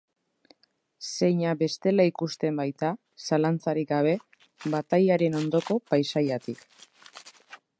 Zeina bestela ikusten baita, zalantzarik gabe, batailaren ondoko paisaiatik.